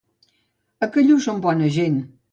A Callús són bona gent.